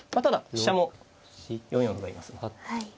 ただ飛車も４四の歩がいます。